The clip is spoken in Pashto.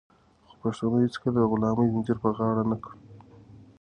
خو پښتنو هيڅکله د غلامۍ زنځير په غاړه نه کړ.